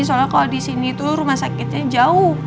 soalnya kalau disini itu rumah sakitnya jauh